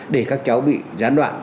để các cháu bị gián đoạn